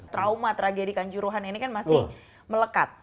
trauma tragedi kanjuruhan ini kan masih melekat